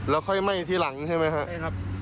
แล้วค่อยไหม้ทีหลังใช่ไหมครับ